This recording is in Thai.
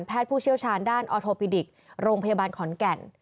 แพทย์ผู้เชี่ยวชาญด้านออทโพดิกส์โรงพยาบาลขอนแก่น